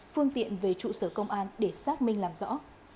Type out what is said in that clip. phương tiện về trụ sở công an để xác minh làm rõ